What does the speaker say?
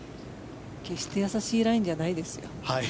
決して易しいラインじゃないですよ。